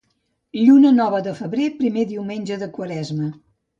Lluna nova de febrer, primer diumenge de Quaresma.